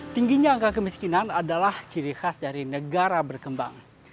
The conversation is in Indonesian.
tingginya angka kemiskinan adalah ciri khas dari negara berkembang